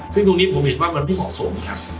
ซึ่งตรงนี้ผมเห็นว่ามันไม่เหมาะสมครับ